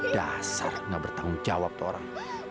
dasar nggak bertanggung jawab tuh orang